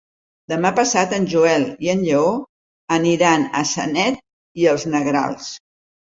Demà passat en Joel i en Lleó aniran a Sanet i els Negrals.